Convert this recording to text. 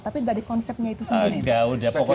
tapi dari konsepnya itu sendiri